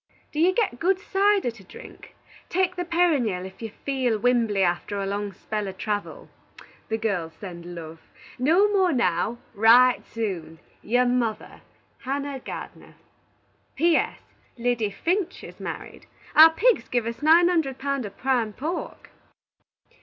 Do you git good cyder to drink? Take the Pennyryal if you feal wimbly after a long spell of travil. The girls send love. No more now. Wright soon. "Your mother, HANNAH GARDENER" "P. S. Liddy Finch is married. Our pigs give us nine hunderd pound of prime pork."